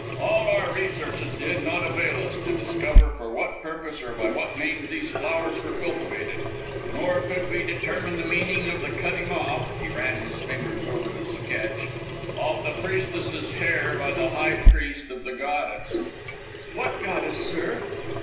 All our researches did not avail us to discover for what purpose or by what means these flowers were cultivated. Nor could we determine the meaning of the cutting off," he ran his fingers over the sketch "of the priestesses' hair by the high priest of the goddess " "What goddess, sir?"